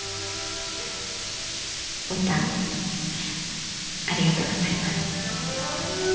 牡丹ありがとうございます。